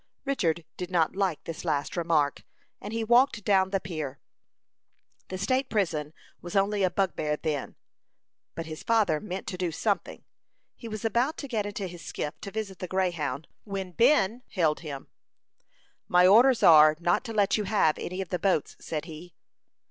Richard did not like this last remark, and he walked down the pier. The state prison was only a bugbear then; but his father meant to do something. He was about to get into his skiff to visit the Greyhound when Ben hailed him. "My orders are, not to let you have any of the boats," said he.